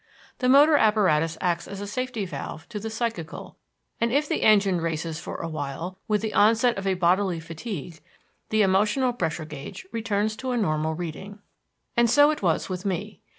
The motor apparatus acts as a safety valve to the psychical; and if the engine races for a while, with the onset of a bodily fatigue the emotional pressure gauge returns to a normal reading. And so it was with me.